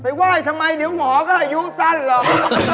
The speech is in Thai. ไหว้ทำไมเดี๋ยวหมอก็อายุสั้นหรอก